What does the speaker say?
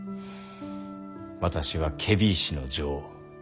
私は検非違使の尉。